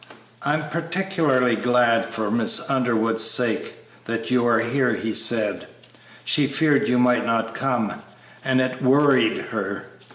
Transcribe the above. "I am particularly glad, for Miss Underwood's sake, that you are here," he said; "she feared you might not come, and it worried her."